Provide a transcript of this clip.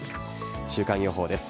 週間予報です。